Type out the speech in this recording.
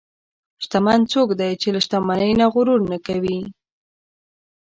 شتمن څوک دی چې له شتمنۍ نه غرور نه کوي.